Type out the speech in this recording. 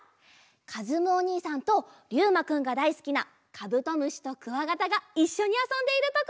かずむおにいさんとりゅうまくんがだいすきなカブトムシとクワガタがいっしょにあそんでいるところです。